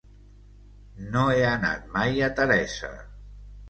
No he anat mai a Teresa.